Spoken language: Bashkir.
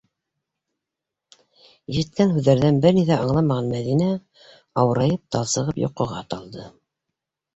Ишеткән һүҙҙәрҙән бер ни ҙә аңламаған Мәҙинә, ауырайып, талсығып йоҡоға талды...